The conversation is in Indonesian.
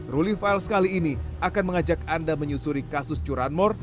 ruli files kali ini akan mengajak anda menyusuri kasus curanmur